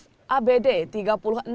demi mendapatkan fasilitas pijat gratis